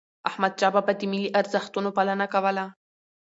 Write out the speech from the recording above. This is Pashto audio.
احمد شاه بابا د ملي ارزښتونو پالنه کوله.